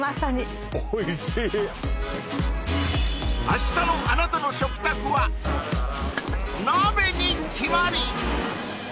明日のあなたの食卓は鍋に決まり！